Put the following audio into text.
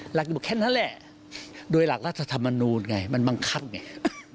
หลักอยู่แค่นั้นแหละโดยหลักรัฐธรรมนูลไงมันบังคับไง